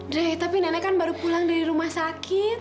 deh tapi nenek kan baru pulang dari rumah sakit